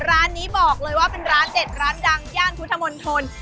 ร้านนี้บอกเลยว่าเป็นร้านเด็ดร้านดังย่านพุทธมนตร